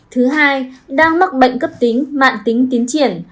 thứ hai đang mắc bệnh cấp tính mạng tính tiến triển